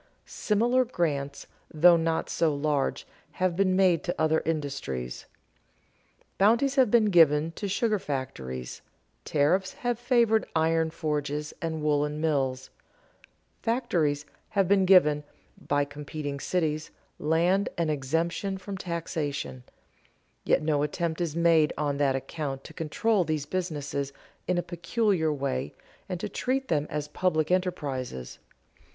Similar grants, though not so large, have been made to other industries. Bounties have been given to sugar factories; tariffs have favored iron forges and woolen mills; factories have been given, by competing cities, land and exemption from taxation; yet no attempt is made on that account to control these businesses in a peculiar way and to treat them as public enterprises.